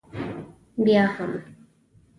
بیا هم.